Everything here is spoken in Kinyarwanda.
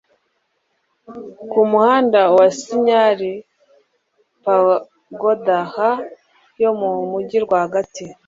ku muhanda wa Signal Pagoda ha yo mu mugi rwagati